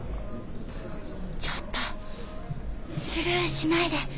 ちょっとスルーしないで。